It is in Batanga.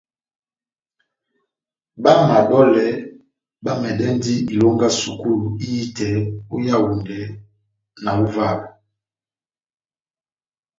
Bá madolè bá mɛdɛndi ilonga sukulu ihitɛ ó Yaondɛ na Ivala.